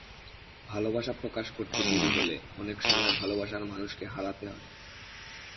ভালোবাসা প্রকাশ করতে দেরি হলে অনেক সময় ভালোবাসার মানুষকে হারাতে হয়।